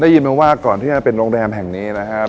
ยินมาว่าก่อนที่จะเป็นโรงแรมแห่งนี้นะครับ